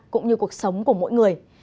cũng như cuộc sống của mỗi người